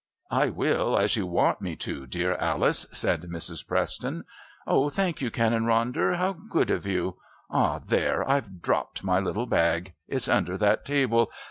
"I will, as you want me to, dear Alice," said Mrs. Preston. "Oh, thank you, Canon Ronder! How good of you; ah, there! I've dropped my little bag. It's under that table.